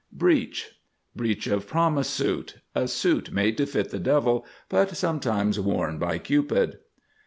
BREACH, Breach of promise suit. A suit made to fit the devil, but sometimes worn by Cupid.